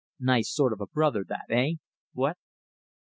Nice sort of brother that, eh? What?"